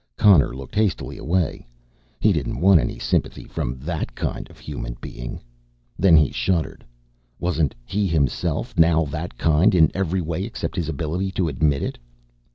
Connor looked hastily away; he didn't want any sympathy from that kind of 'human' being! Then he shuddered. Wasn't he, himself, now that kind in every way except his ability to admit it?